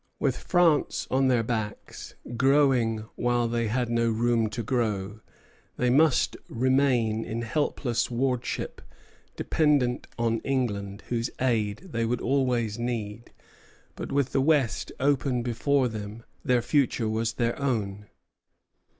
With France on their backs, growing while they had no room to grow, they must remain in helpless wardship, dependent on England, whose aid they would always need; but with the West open before them, their future was their own.